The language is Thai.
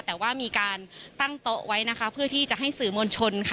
แต่ว่ามีการตั้งโต๊ะไว้นะคะเพื่อที่จะให้สื่อมวลชนค่ะ